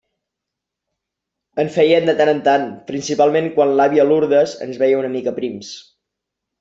En feien de tant en tant, principalment quan l'àvia Lourdes ens veia una mica prims.